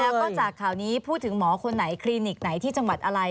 แล้วก็จากข่าวนี้พูดถึงหมอคนไหนคลินิกไหนที่จังหวัดอะไร